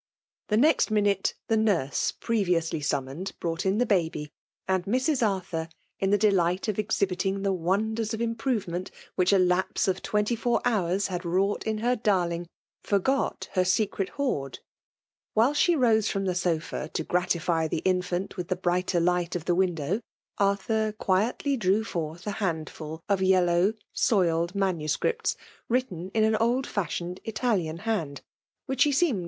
The next snnute^the nnise, prerioosly aum^ uvmsA, hicoiight in the baby ; and Mrs. Arthur, m :ibe. fioh^rt of exlubiting the wonders of j^fipruvainiaiit whidi a lapse of twenty foor Ibowb Jiad;wroaght in her darling, forgot her aeoxet heariOL l^hile she ,vose from the sofa, to gratify, the infant with the brighter light of the >iri^dow> Arthur quietly drew forth ^ handftd ^ yellaw, soiled manuscripts, written in an .ald fuhioaed Italian hand, which he seemed